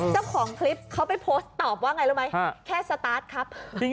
เจ้าของคลิปเขาไปโพสต์ตอบว่าไงรู้ไหมแค่สตาร์ทครับ